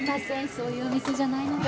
そういう店じゃないので。